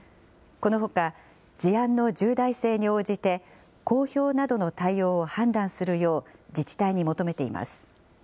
このほか事案の重大性に応じて、公表などの対応を判断するよう自治体に求めています。